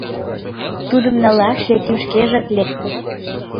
Тудым налаш Яким шкежак лекте.